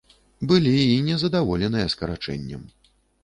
Былі і незадаволеныя скарачэннем.